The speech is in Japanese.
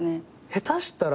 下手したら。